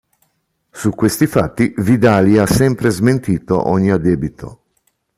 Su questi fatti Vidali ha sempre smentito ogni addebito.